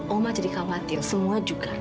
oma jadi khawatir semua juga